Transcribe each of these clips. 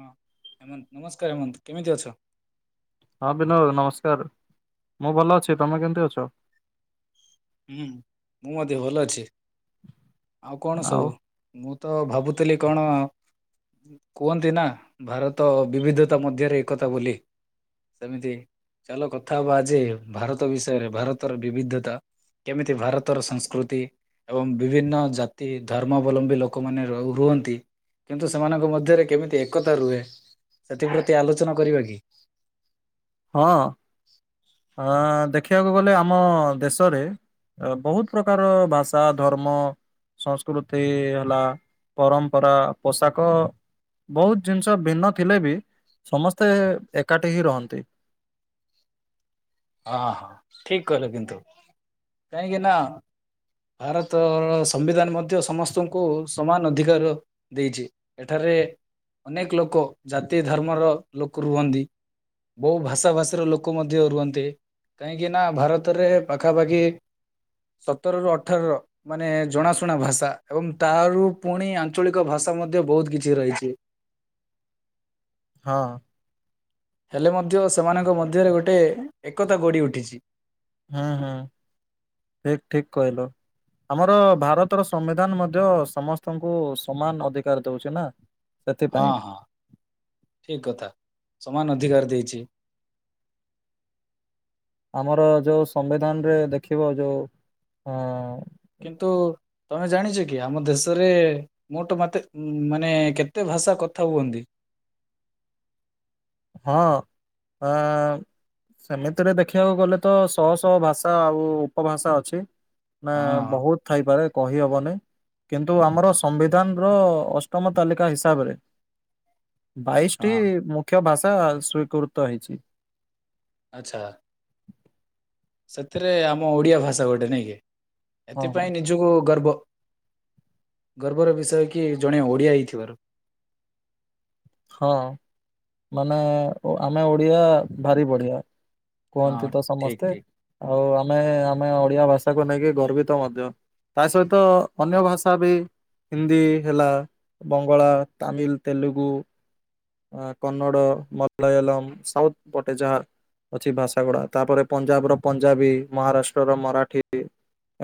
ହଁ ହେମନ୍ତ, ନମସ୍କାର ହେମନ୍ତ! କେମିତି ଅଛ? ହଁ ବିନୋଦ ନମସ୍କାର! ମୁଁ ଭଲ ଅଛି, ତମେ କେମିତି ଅଛ? ହୁଁ, ମୁଁ ମଧ୍ୟ ଭଲ ଅଛି। ଆଉ କଣ ସବୁ? ମୁଁ ତ ଭାବୁଥିଲି କଣ? କୁହନ୍ତି ନା, ଭାରତ ବିବିଧତା ମଧ୍ୟରେ ଏକତା ବୋଲି। ସେମିତି ଚାଲ କଥା ହବା ଆଜି ଭାରତ ବିଷୟରେ ଭାରତର ବିବିଧତା କେମିତି ଭାରତର ସଂସ୍କୃତି? ଏବଂ ବିଭିନ୍ନ ଜାତି ଧର୍ମାବଲମ୍ବୀ ଲୋକମାନେ ରୁହନ୍ତି। କିନ୍ତୁ ସେମାନଙ୍କ ମଧ୍ୟରେ କେମିତି ଏକତା ରୁହେ, ସେଥିପ୍ରତି ଆଲୋଚନା କରିବା କି? ହଁ। ହଁ, ଦେଖିବାକୁ ଗଲେ ଆମ ଦେଶରେ ବହୁତ ପ୍ରକାରର ଭାଷା ଧର୍ମ ସଂସ୍କୃତି ହେଲା, ପରମ୍ପରା, ପୋଷାକ। ବହୁତ ଜିନିଷ ଭିନ୍ନ ଥିଲେ ବି ସମସ୍ତେ ଏକାଠି ହେଇକି ରହନ୍ତି। ଆହ ଠିକ୍ କହିଲ କିନ୍ତୁ କାହିଁକି ନା ଭାରତର ସମ୍ବିଧାନ ମଧ୍ୟ ସମସ୍ତଙ୍କୁ ସମାନ ଅଧିକାର ଦେଇଛି। ଏଠାରେ ଅନେକ ଲୋକ ଜାତି ଧର୍ମର ଲୋକ ରୁହନ୍ତି। ବୋହୁ ଭାଷା ଭାଷୀର ଲୋକ ମଧ୍ୟ ରୁହନ୍ତି। କାହିଁକିନା ଭାରତରେ ପାଖାପାଖି ସତରରୁ ଅଠର ମାନେ ଜଣାଶୁଣା ଭାଷା ଏବଂ ତାରୁ ପୁଣି ଆଞ୍ଚଳିକ ଭାଷା ମଧ୍ୟ ବୋହୁତ କିଛି ରହିଛି। ହଁ। ହେଲେ ମଧ୍ୟ ସେମାନଙ୍କ ମଧ୍ୟରେ ଗୋଟେ ଏକତା ଗଢିଉଠିଛି। ହୁଁ ହୁଁ। ହେ ଠିକ୍ କହିଲ। ଆମର ଭାରତର ସମ୍ବିଧାନ ମଧ୍ୟ ସମସ୍ତଙ୍କୁ ସମାନ ଅଧିକାର ଦଉଛି ନା? ହଁ ସେଥିପାଇଁ ହଁ ଠିକ୍ କଥା। ସମାନ ଅଧିକାର ଦେଇଚି। ଆମର ଯୋଉ ସମ୍ବିଧାନରେ ଦେଖିବ ଯୋଉ ଅ କିନ୍ତୁ ତମେ ଜାଣିଚ କି ଆମ ଦେଶରେ ମୋଟ ମାତେ ଉମ୍ ମାନେ କେତେ ଭାଷା କଥା ହୁଅନ୍ତି? ହଁ ଆଁ ସେମିତିରେ ଦେଖିବାକୁ ଗଲେ ତ ଶହ ଶହ ଭାଷା ଆଉ ଉପଭାଷା ଅଛି। ନା ହଁ ବହୁତୁ ଥାଇପାରେ କହି ହବନି। କିନ୍ତୁ ଆମର ସମ୍ବିଧାନର ଅଷ୍ଟମ ତାଲିକା ହିସାବରେ ବାଇଶି ଟି ହଁ ମୁଖ୍ୟ ଭାଷା ସ୍ଵୀକୃତ ହେଇଚି। ଆଚ୍ଛା। ସେଥିରେ ଆମ ଓଡିଆ ଭାଷା ଗୋଟେ ନାଇଁକି। ହଁ ହଁ ଏଥିପାଇଁ ଯୋଉ ଗର୍ବ ଗର୍ବର ବିଷୟ କି ଜଣେ ଓଡିଆ ହେଇଥିବାରୁ। ହଁ, ମାନେ ଆମେ ଓଡିଆ ଭାରି ବଢିଆ। କୁହନ୍ତି ହଁ ତ ଠିକ ସମସ୍ତେ। ଠିକ ଆଉ ଆମେ ଆମେ ଓଡିଆ ଭାଷାକୁ ନେଇକି ଗର୍ବିତ ମଧ୍ୟ୍ୟ। ତା ସହିତ ଅନ୍ୟ ଭାଷା ବି ହିନ୍ଦୀ ହେଲା। ବଙ୍ଗଳା, ତାମିଲ, ତେଲୁଗୁ କନ୍ନଡ଼, ମଲୟାଲମ୍, ସାଉଥ୍ ପଟେ ଯାହା ଅଛି ଭାଷା ଗୁଡା। ତାପରେ ପଞ୍ଜାବର ପଞ୍ଜାବୀ ମହାରାଷ୍ଟ୍ରର ମରାଠୀ।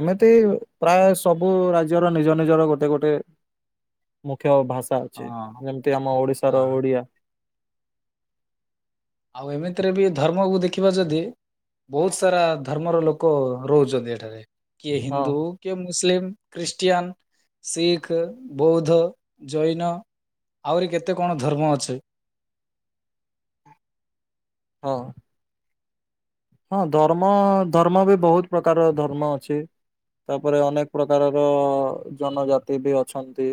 ଏମିତି ପ୍ରାୟ ସବୁ ରାଜ୍ୟର ନିଜ ନିଜର ଗୋଟେ ଗୋଟେ ମୁଖ୍ୟ ଭାଷା ହଁ ଅଛି। ହଁ ଯେମିତି ଆମ ଓଡିଶାର ଓଡିଆ। ଆଉ ଏମିତିରେ ବି ଧର୍ମକୁ ଦେଖିବ ଯଦି? ବୋହୁତ ସାରା ଧର୍ମର ଲୋକ ରହୁଚନ୍ତି ଏଠାରେ କିଏ ହଁ ହିନ୍ଦୁ କିଏ ମୁସଲିମ୍, ଖ୍ରୀଷ୍ଟିଆନ୍, ଶିଖ୍, ବୌଦ୍ଧ, ଜୈନ। ଆହୁରି କେତେ କଣ ଧର୍ମ ଅଛି। ହଁ। ହଁ ଧର୍ମ ଧର୍ମ ବି ବୋହୁତ ପ୍ରକାରର ଧର୍ମ ଅଛି। ତାପରେ ଅନେକ ପ୍ରକାରର ଜନଜାତି ବି ଅଛନ୍ତି।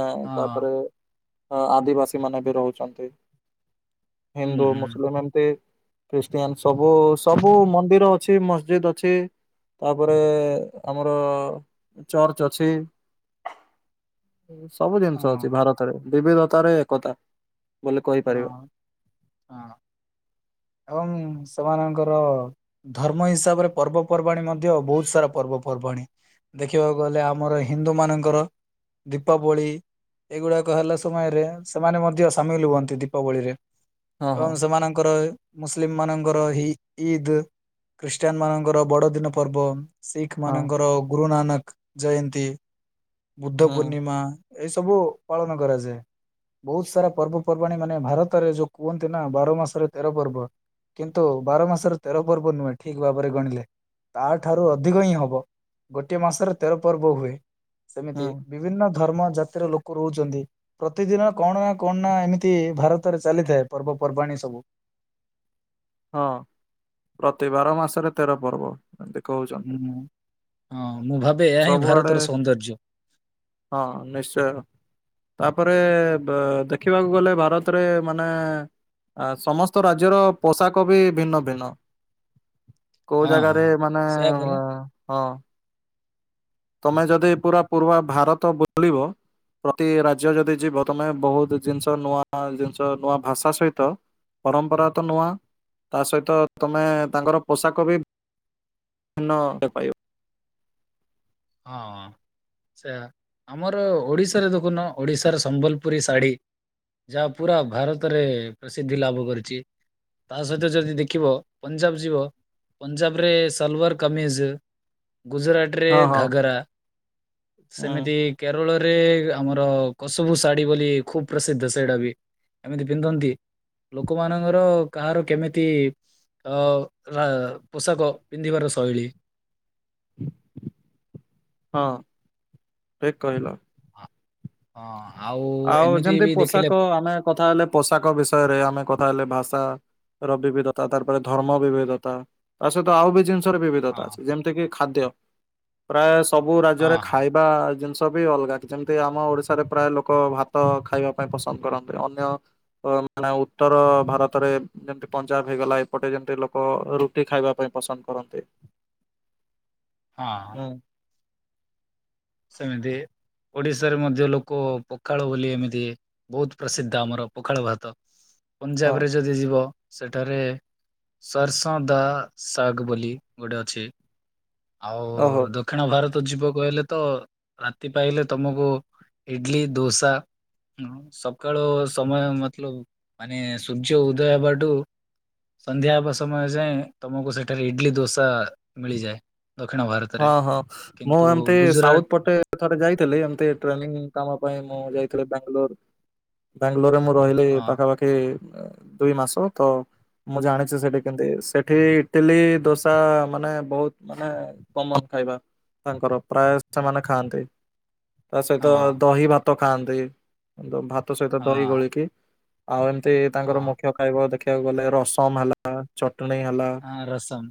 ଆଁ ହଁ ତାପରେ ଆଦିବାସୀ ମାନେ ବି ରହୁଚନ୍ତି। ହୁଁ ହିନ୍ଦୁ, ହୁଁ। ମୁସଲମ ଏମିନ୍ତି ଖ୍ରୀଷ୍ଟିୟାନସ। ସବୁ ସବୁ ମନ୍ଦିର ଅଛି ମସଜିଦ୍ ଅଛି। ତାପରେ ଆମର ଚର୍ଚ୍ଚ ଅଛି। ସବୁ ଜିନିଷ ଅଛି ହଁ ଭାରତରେ ବିବିଧତାରେ ଏକତା। ବୋଲି କହିପାରିବା ହଁ ହଁ ଏବଂ ସେମାନଙ୍କର ଧର୍ମ ହିସାବରେ ପର୍ବପର୍ବାଣୀ, ମଧ୍ୟ ବହୁତ ସାରା ପର୍ବପର୍ବାଣୀ। ଦେଖିବାକୁ ଗଲେ ଆମର ହିନ୍ଦୁମାନଙ୍କର ଦୀପାବଳି ଏଗୁଡ଼ାକ ହେଲା ସମୟରେ ସେମାନେ ମଧ୍ୟ ସାମିଲି ହୁଅନ୍ତି। ଦୀପାବଳିରେ ହଁ ହଁ। ଏବଂ ସେମାନଙ୍କର ମୁସିଲିମ ମାନଙ୍କର ଇଦ୍ ଇଦି, ଖ୍ରୀଷ୍ଟିୟାନ ମାନଙ୍କର ବଡ଼ଦିନ ପର୍ବ। ଶିଖି ହଁ। ମାନଙ୍କର ଗୁରୁ ନାନକଜୟନ୍ତୀ, ବୁଦ୍ଧ ହୁଁ ପୂର୍ଣ୍ଣିମା। ଏଇ ସବୁ ପାଳନ କରାଯାଏ, ବୋହୁତ ସାରା ପର୍ବ ପର୍ବପର୍ବାଣୀ ମାନେ ଭାରତରେ ଯୋଉ କୁହନ୍ତି ନା, ବାର ମାସରେ ତେର ପର୍ବ। କିନ୍ତୁ ବାର ମାସର ତେର ପର୍ବ ନୁହେଁ, ଠିକ ଭାବରେ ଗଣିଲେ। ତାଠାରୁ ଅଧିକ ହିଁ ହବ, ଗୋଟିଏ ମାସରେ ତେର ପର୍ବ ହୁଏ। ହୁଁ ସେମିତି ବିଭିନ୍ନ ଧର୍ମ ଜାତିର ଲୋକ ରହୁଚନ୍ତି, ପ୍ରତିଦିନ କଣ ନା କଣ ନା ଏମିତି ଇନ୍ତି ଭାରତରେ ଚାଲିଥାଏ ପର୍ବପର୍ବାଣୀ ସବୁ। ହଁ, ପ୍ରତିବାର ମାସରେ ତେର ପର୍ବ। [unintelligible] ହୁଁ ହଁ ମୁଁ ଭାବେ ଏହା ହିଁ ସବୁଆଡେ ଭାରତର ସୌନ୍ଦର୍ଯ୍ୟ। ହଁ ନିଶ୍ଚୟ। ତାପରେ ଦେଖିବାକୁ ଗଲେ ଭାରତରେ ମାନେ ଆ ସମସ୍ତ ରାଜ୍ୟର ପୋଷାକ ବି ଭିନ୍ନ ଭିନ୍ନ। କୋଉ ହଁ ଜାଗାରେ ହଁ। ମାନେ ସେୟା ପରା ହଁ ତମେ ଯଦି ପୁରା ପୂର୍ବ ଭାରତ ବୁଲିବ ପ୍ରତି ରାଜ୍ୟ ଯଦି ଯିବ ତମେ ବହୁତ ଜିନିଷ ନୂଆ ନୂଆ ଜିନିଷ ନୂଆ ଭାଷା ସହିତ ପରମ୍ପରା ତ ନୂଆ, ତା ସହିତ ତମେ ତାଙ୍କର ପୋଷାକ ବି ନ ପାଇବ। ହଁ। ଆଛା ଆମର ଓଡିଶାରେ ଦେଖୁନ ଓଡିଶାର ସମ୍ବଲପୁରୀ ଶାଢ଼ୀ। ଯାହାହୋଉ ପୁରା ଭାରତରେ ପ୍ରସିଦ୍ଧି ଲାଭ କରିଛି। ତା ସହିତ ଯଦି ଦେଖିବ ପଞ୍ଜାବ ଯିବ ପଞ୍ଜାବରେ ସାଲୁଆର କମିଜ। ଗୁଜୁରାଟ ରେ ହଁ ହଁ ଘାଗରା ହୁଁ ସେମିତି କେରଳରେ ଆମର କସୁବୁ ଶାଢ଼ୀ ବୋଲି ଖୁବ ପ୍ରସିଦ୍ଧ ସେଇଟା ବି। ଏମିତି ପିନ୍ଧନ୍ତି ଲୋକମାନଙ୍କର କାହାର କେମିତି ଅ ପୋଷାକ ପିନ୍ଧିବାର ଶୈଳୀ। ହଁ ଏକ କହିଲ। ହଁ ଆଉ। ଆଉ ଏମିତି ଯେମତି ବି ଦେଖିଲେ ପୋଷାକ ଆମେ କଥା ହେଲେ ପୋଷାକ ବିଷୟରେ ଆମେ କଥା ହେଲେ ଭାଷା ର ବିବିଧତା ତା ପରେ ଧର୍ମ ବିବିଧତା ତା ସହିତ ଆଉ ବି ଜିନିଷର ବିବିଧ ହଁ ଯେମିତି କି ଖାଦ୍ୟ ପ୍ରାୟ ସବୁ ହଁ ରାଜ୍ୟରେ ହଁ ଖାଇବା ବା ଜିନିଷ ବି ଅଲଗା ଯେମତି ଆମ ଓଡିଶାରେ ପ୍ରାୟ ଲୋକ ଲୋକ ଭାତ ଖାଇବା ପାଇଁ ପସନ୍ଦ କରନ୍ତି, ଅନ୍ୟ ମାନେ ଉତ୍ତର ଭାରତରେ ଯେମତି ପଞ୍ଜାବ ହେଇଗଲା ଏପଟେ ଯେମତି ଲୋକ ରୁଟି ଖାଇବା ପାଇଁ ପସନ୍ଦ କରନ୍ତି। ହଁ। ହୁଁ। ସେମିତି। ଓଡିଶାରେ ମଧ୍ୟ ଲୋକ ପଖାଳ ବୋଲି ଏମିତି ବହୁତ ପ୍ରସିଦ୍ଧ ଆମର ପଖାଳ ଭାତ। ହଁ ପଞ୍ଜାବ ରେ ଯଦି ଯିବ ସେଠାରେ ସରସ ଦା ଶାଗ ବୋଲି ଗୋଟେ ଅଛି। ଆଉ ଓହୋ ଦକ୍ଷିଣ ଭାରତ ଯିବ କହିଲେ ତ ରାତି ପାହିଲେ ତମକୁ ଇଟଲି ଦୋସା ହଁ ସକାଳ ସମୟ ମତଲବ ମାନେ ସୂର୍ଯ୍ୟ ଉଦୟ ହେବା ଠୁ ସନ୍ଧ୍ୟା ହେବା ସମୟ ଯାଏଁ ତମକୁ ସେଠାରେ ଇଟଲି ଦୋସା ମିଳିଯାଏ। ଦକ୍ଷିଣ ଭାରତ ହଁ ହଁ ମୁଁ ଏମତି ସାଉଥ ପଟେ ଥରେ ଯାଇଥିଲି ଏମତି ଟ୍ରେନିଂ କାମ ପାଇଁ ମୁଁ ଯାଇଥିଲି ବାଙ୍ଗଲୋର। ବାଙ୍ଗଲୋର ରେ ମୁଁ ରହିଲି ହଁ ପାଖାପାଖି ଦୁଇ ମାସ ତ ମୁଁ ଜାଣିଛି ସେଠି କେମତି ସେଠି ଇଟିଲୀ ଦୋସା ମାନେ ବହୁତ ମାନେ କମନ ଖାଇବା ତାଙ୍କର ପ୍ରାୟ ସେମାନେ ଖାଆନ୍ତି ତା ହଁ ସହିତ ଦହି ଭାତ ଭାତ ଖାଆନ୍ତି ଭାତ ସହିତ ଦହି ହଁ। ଗୋଳିକି ଆଉ ଏମିତି ତାଙ୍କର ହଁ ମୁଖ୍ୟ ଖାଇବା ଦେଖିବାକୁ ଗଲେ ରସମ ହେଲା ଚଟଣୀ ହେଲା। ହଁ, ରସମ୍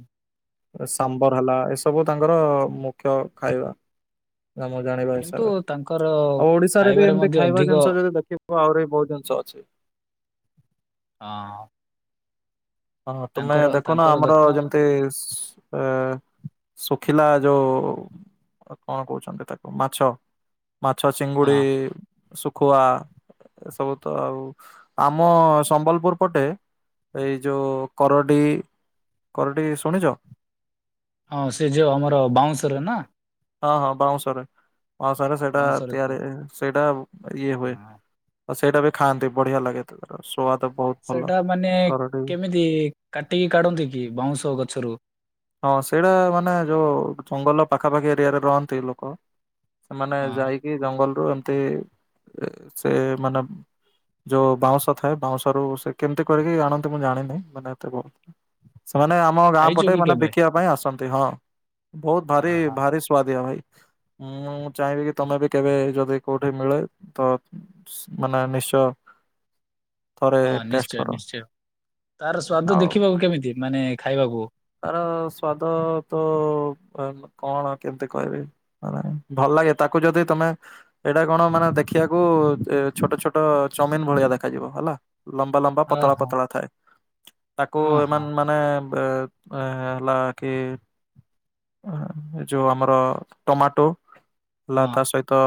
ସାମ୍ବର ହେଲା ଏସବୁ ତାଙ୍କର ମୁଖ୍ୟ ଖାଇବା। ନା ମୁଁ ଜାଣିବା କିନ୍ତୁ ହିସାବରେ ତାଙ୍କର ଆଉ ଓଡିଶାରେ ବି ଖାଇବାରେ ଏମିତି ମଧ୍ୟ ଖାଇବା ଅଧିକ ଜିନିଷ ଯଦି ଦେଖ ଆହୁରି ବି ବହୁତ ଜିନିଷ ଅଛି। ହଁ। ହଁ ତୁମେ ତାଙ୍କର ଦେଖୁନ ତାଙ୍କର ଆମର ଦକ୍ଷିଣ ଯେମିତି ଶୁ ଏ ଶୁଖିଲା ଯୋଉ କଣ କହୁଛନ୍ତି ତାକୁ ମାଛ। ମାଛ ଚିଙ୍ଗୁଡି ହଁ ଶୁଖୁଆ। ଏସବୁ ତ ଆଉ ଆମ ସମ୍ବଲପୁର ପଟେ ଏଇ ଏ ଯୋଉ କରଡ଼ି କରଡ଼ି ଶୁଣିଛ? ହଁ ସେ ଯୋଉ ଆମର ବାଉଁଶରେ ନା? ହଁ ହଁ ବାଉଁଶରେ ବାଉଁଶରେ ସେଇଟା ବାଉଁଶର ତି ତିଆରି ସେଇଟା ଇଏ ହୁଏ। ହଁ ଆଉ ସେଇଟା ବି ଖାଆନ୍ତି ବଢିଆ ଲାଗେ ତ ତାର ସୁଆଦ ବହୁତ। ଭଲ ସେଟା ମାନେ କରଡି କେମିତି କାଟିକି କାଢନ୍ତି କି ବାଉଁଶ ଗଛରୁ। ହଁ ସେଇଟା ମାନେ ଯୋଉ ଜଙ୍ଗଲ ପାଖାପାଖି ଏରିଆରେ ରହନ୍ତି ଲୋକ। ସେମାନେ ହଁ ଯାଇକି ଜଙ୍ଗଲରୁୁ ଏମତି ସେ ମାନ ଯୋଉ ବାଉଁଶ ଥାଏ ବାଉଁଶରୁ ସେ କେମିତି କରିକି ଆଣନ୍ତି ମୁଁ ଜାଣିନି ମାନେ ଏତେ ବହୁତ ସେମାନେ ଆମ ଗାଁ ଖାଇଛୁ ପଟେ କି ମାନେ କେବେ? ବିକିବା ପାଇଁ ଆସନ୍ତି ହଁ ବହୁତ ଭାରି ଓହୋ ହଁ ଭାରି। ଶୁଆଦିଆ ଭାଇ ମୁଁ ଚାହିଁବି କି ତମେ ବି କେବେ ଯଦି କୋଉଠି ମିଳେ ତ ମାନେ ନିଶ୍ଚୟ। [unintelligible] ଥରେ ହଁ ଟେଷ୍ଟ ନିଶ୍ଚୟ କର ନିଶ୍ଚୟ ତାର ସ୍ଵାଦ ଆଉ ଦେଖିବାକୁ କେମିତି ମାନେ ଖାଇବାକୁ? ତାର ସ୍ଵାଦ ତ କଣ କେମତି କହିବି? ମେ ଭଲ ଲାଗେ ତାକୁ ଯଦି ତମେ ଏଇଟା କଣ ମାନେ ଦେଖିବାକୁ ଛୋଟ ଛୋଟ ଚାଉମିନ ଭଳିଆ ଦେଖାଯିବ ହେଲା। ଲମ୍ବା ଲମ୍ବା ଓହୋ ପତଳା ହଁ ପତଳା ଥାଏ ତାକୁ ହଁ ହଁ ଏମାନ ମାନେ ଆ ହେଲା କିି? ଏ ଯୋଉ ଆମର ଟମାଟୋ ହେଲା ହଁ ତା ସହି ତ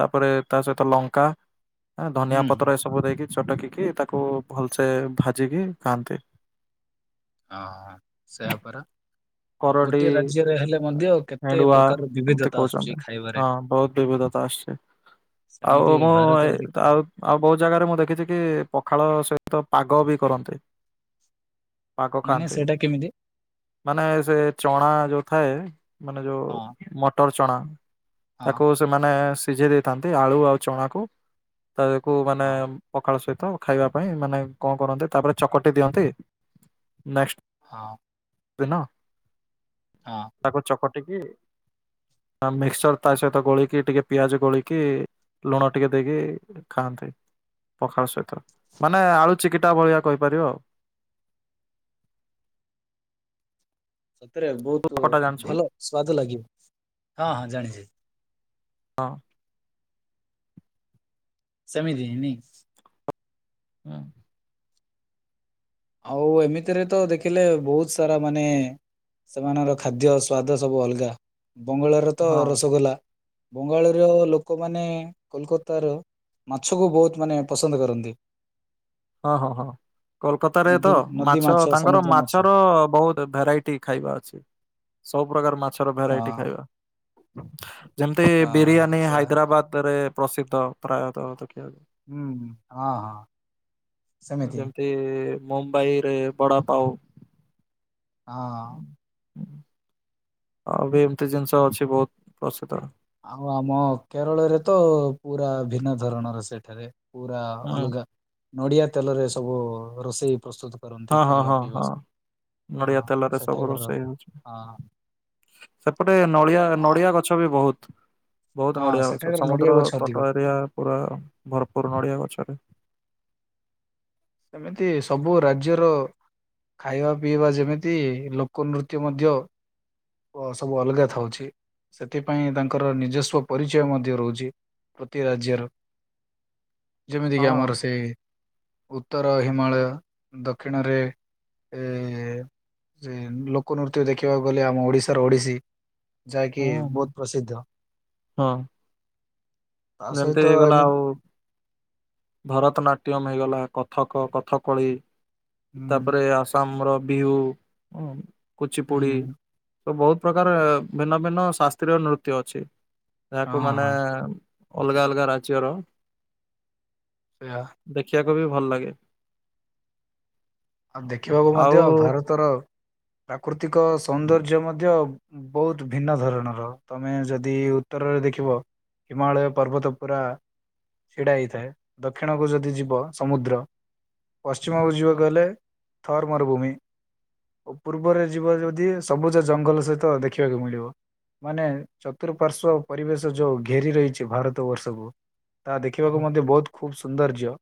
ତାପରେ ତା ସହିତ ଲଙ୍କା ଧନିଆ ହୁଁ ହୁଁ ପତ୍ର ଏସ ସବୁ ଦେଇକି ଚଟକିକି ତାକୁ ଭଲସେ ଭାଜିକି ଖାଆନ୍ତି। ହଁ ସେୟାପରା। କରଡି ଗୋଟିଏ ରାଜ୍ୟରେ ହେଲେ ମଧ୍ୟ କେତେ ହେଣ୍ଡୁଆ ପ୍ରକାର ଏମିତି ବିବିଧତା ଆସୁଛି କହୁଛନ୍ତି ଖାଇବାରେ? ହଁ ବହୁତ ବିବିଧତା ଆସିଛି [unintelligible] ଆଉ ସେମିତି ମୁଁ ଏଇ ଭାରତର ଦେଖିବ ଆଉ ଆଉ ବହୁତ ଜାଗାରେ ମୁଁ ଦେଖିଛି କି ପଖାଳ ସହିତ ପାଗ ବି କରନ୍ତି। ପାଗ ମାନେ ଖାଆନ୍ତି ସେଇଟା କେମିତି? ମାନେ ସେ ଚଣା ଯୋଉ ଥାଏ। ମାନେ ଯୋଉ ହଁ। ମଟର ଚଣା। ହଁ ତାକୁ ସେମାନେ ସିଝେଇ ଦେଇଥାନ୍ତି ଆଳୁ ଆଉ ଚଣାକୁ। ତ ୟେକୁ ମାନେ ହଁ ପଖାଳ ସହିତ ଖାଇବା ପାଇଁ ମାନେ କଣ କରନ୍ତି ତାପରେ ଚକଟି ଦିଅନ୍ତି। ନେକ୍ସଟ ହଁ। [unintelligible] ହଁ। ତାକୁ ଚକଟିକି ମିକ୍ସଚର ତା ସହିତ ଗୋଳିକି, ଟିକେ ପିଆଜ ଗୋଳିକି, ଲୁଣ ଟିକେ ଦେଇକି ଖାଆନ୍ତେ ପଖାଳ ସହିତ। ମାନେ ଆଳୁ ଚିକିଟା ଭଳିଆ କହିପାରିବ ଆଉ। ସତରେ ବହୁତ ଚକଟା ଜାଣିଛୁ କି? ଭଲ ସୁଆଦ ଲାଗିବ। ହଁ ହଁ ଜାଣିଛି। ହଁ। [unintelligible] ହଁ। ଆଉ ଏମିତିରେ ତ ଦେଖିଲେ ବହୁତ ସାରା ମାନେ ସେମାନଙ୍କର ଖାଦ୍ୟ, ସ୍ବାାଦ ସବୁ ଅଲଗା। ବଙ୍ଗଳାରେ ତ ହଁ ରସଗୋଲା। ବଙ୍ଗଳାର ଲୋକମାନେ କୋଲକାତାର ମାଛକୁ ବହୁତ ମାନେ ପସନ୍ଦ କରନ୍ତି। ହଁ -ହଁ -ହଁ। କୋଲକତାରେ ତ, ନଦୀ ନଦୀ ମାଛ ତାଙ୍କର ସମୁଦ୍ର ମାଛ ମାଛର ବହୁତ ଭେରାଇଟି ଖାଇବା ଅଛି। ସବୁ ପ୍ରକାର ମାଛ ର ହଁ ଭେରାଇଟି ଖାଇବା। ଯେମିତି ହଁ ବିରିୟାନୀ ସେ ହାଇଦ୍ରାବାଦ ରେ ପ୍ରସିଦ୍ଧ। ପ୍ରାୟତଃ ଦେଖିବାକୁ। ହୁଁ -ହୁଁ, ହଁ -ହଁ। ସେମିତି ଯେମିତି ମୁମ୍ବାଇରେ ବଡାପାଉ। ହଁ। ଆଉ ବି ଏମତି ଜିନିଷ ଅଛି ବହୁତ ପ୍ରସିଦ୍ଧ। ଆଉ ଆମ କେରଳରେ ତ ପୁରା ଭିନ୍ନ ଧରଣର ସେଠାରେ। ପୁରା ଅଲଗା। ନଡିଆ ତେଲରେ ସବୁ ରୋଷେଇ ପ୍ରସ୍ତୁତ। କରନ୍ତି ହଁ ହଁ ଖାଇବା, ହଁ ପିଇବା ହଁ। ସ। ନଡିଆ ହଁ ତେଲରେ ସବୁ ସେଠାକାର ରୋଷେଇ ହଉଛି ହଁ ସେପଟେ ନଳିଆ, ନଡ଼ିଆ ଗଛ ବି ବହୁତ। ବହୁତ ହଁ ନଡିଆ ଗଛ। ସେଠାକାର ନଡିଆ ସମୁଦ୍ର ଗଛ ଅଧିକ ତଟ ଏରିଆ ପୁରା ଭରପୁର ନଡିଆ ଗଛରେ ସେମିତି ସବୁ ରାଜ୍ୟର ଖାଇବା ପିଇବା ଯେମିତି। ଲୋକ ନୃତ୍ୟ ମଧ୍ୟ ଓ ସବୁ ଅଲଗା ଥାଉଛି। ସେଥିପାଇଁ ତାଙ୍କର ନିଜସ୍ୱ ପରିଚୟ ମଧ୍ୟ ରହୁଛି ପ୍ରତି ରାଜ୍ୟର। ଯେମିତି କିି ହଁ। ଆମର ସେ ଉତ୍ତର ହିମାଳୟ, ଦକ୍ଷିଣରେ ଏ ସେ ଲୋକନୃତ୍ୟ ଦେଖିବାକୁ ଗଲେ ଆମ ଓଡି ଶା ର ଓଡିଶୀ ଯାହାକି ହୁଁ ହୁଁ ବହୁତ ପ୍ରସିଦ୍ଧ। ତା ଯେମତି ସହିତ ହେଇଗଲା ଏମିତି ଆଉ। ଭରତନାଟ୍ୟମ ହେଇଗଲା, କଥକ, କଥକଳି ହୁଁ ତାପରେ ଆସ ତମ୍ର, ବିହୁ ଉଁ ହୁଁ କୁଚିପୁଡ଼ି। ହଁ ସବୁ ବହୁତ ପ୍ରକାର ଭିନ୍ନ- ଭିନ୍ନ ଶାସ୍ତ୍ରୀୟ ନୃତ୍ୟ ଅଛି। ଯାହାକୁ ମାନେ ହଁ ଅଲଗା -ଅଲଗା ରାଜ୍ୟର ସେଇଆ ଦେଖିବାକୁ ବି ଭଲ ଲାଗେ। ଆଉ ଦେଖିବାକୁ ଆଉ ମଧ୍ୟ ଭାରତର ପ୍ରାକୃତିକ ସୌନ୍ଦର୍ଯ୍ୟ ମଧ୍ୟ ବହୁତ ଭିନ୍ନ ଧରଣର ତମେ ଯଦି ଉତ୍ତରରେ ଦେଖିବ ହିମାଳୟ ପର୍ବତପୁରା ଛିଡ଼ା ହେଇଥାଏ ଦକ୍ଷିଣକୁ ଯଦି ଯିବ ସମୁଦ୍ର ପଶ୍ଚିମକୁ ଯିବ କହିଲେ ଥର୍ ମରୁଭୂମି। ଓ ପୂର୍ବରେ ଯିବ ଯଦି ସବୁଜ ଜଙ୍ଗଲ ସହିତ ଦେଖିବାକୁ ମିଳିବ। ମାନେ ଚତୁଃପାର୍ଶ୍ଵ ପରିବେଶ ଯୋଉ ଘେରି ରହିଛି ଭାରତ ବର୍ଷକୁ ତାହା ଦେଖିବାକୁ ମଧ୍ୟ ବହୁତ ଖୁବ ସୌନ୍ଦର୍ଯ୍ୟ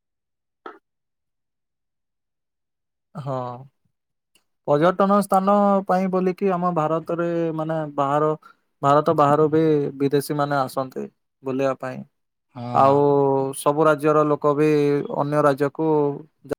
ହଁ ପର୍ଯ୍ୟଟନ ସ୍ଥାନ ପାଇଁ ବୋଲିକି ଆମ ଭାରତରେ ମାନେ ବାହାର ଭାରତ ବାହାରୁ ବି ବିଦେଶୀ ମାନେ ଆସନ୍ତି ବୁଲିବା ପାଇଁ। ହଁ। ଆଉ ସବୁ ରାଜ୍ୟର ଲୋକ ବି ଅନ୍ୟ ରାଜ୍ୟକୁ